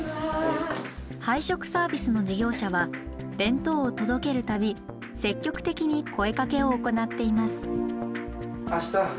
配食サービスの事業者は弁当を届ける度積極的に声かけを行っています。